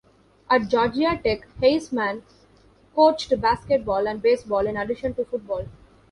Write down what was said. At Georgia Tech, Heisman coached basketball and baseball in addition to football.